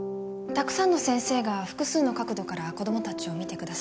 たくさんの先生が複数の角度から子供たちを見てくださること。